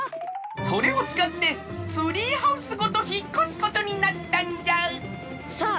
それをつかってツリーハウスごとひっこすことになったんじゃさあ